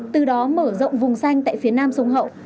từ đó mở rộng vùng xanh tại phía nam sông hậu